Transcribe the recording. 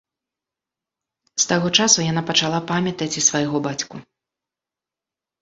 З таго часу яна пачала памятаць і свайго бацьку.